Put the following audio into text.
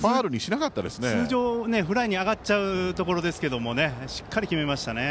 通常フライに上がっちゃうところでしたがしっかり決めましたね。